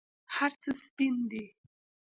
هرڅه سپین دي